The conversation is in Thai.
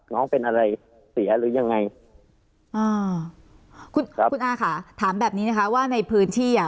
น้องเป็นอะไรเสียหรือยังไงอ่าคุณครับคุณอาค่ะถามแบบนี้นะคะว่าในพื้นที่อ่ะ